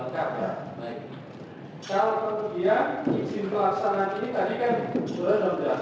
kalau kemudian izin belasan